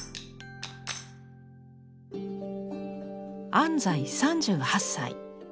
安西３８歳。